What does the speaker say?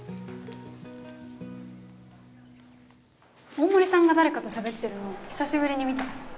大森さんが誰かとしゃべってるの久しぶりに見た